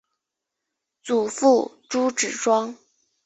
祖父朱子庄。